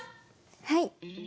はい。